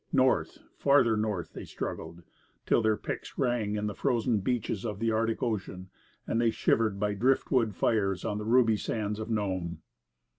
North, farther north, they struggled, till their picks rang in the frozen beaches of the Arctic Ocean, and they shivered by driftwood fires on the ruby sands of Nome.